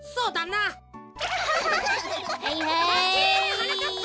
はなかっぱ！